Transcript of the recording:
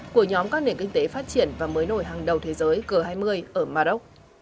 của nhóm các nền kinh tế phát triển và mới nổi hàng đầu thế giới g hai mươi ở maroc